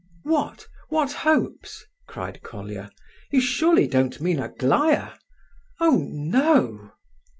"What? What hopes?" cried Colia; "you surely don't mean Aglaya?—oh, no!